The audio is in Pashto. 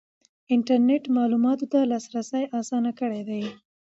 انټرنیټ معلوماتو ته لاسرسی اسانه کړی دی.